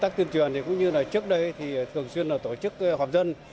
các tiền truyền cũng như trước đây thường xuyên tổ chức họp dân